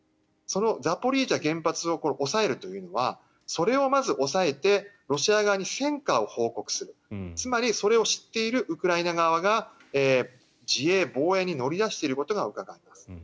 そのザポリージャ原発を押さえるというのはそれをまず押さえてロシア側に戦果を報告するつまりそれを知っているウクライナ側が自衛・防衛に乗り出していることがうかがえます。